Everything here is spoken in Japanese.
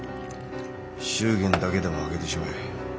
祝言だけでも挙げてしまえ。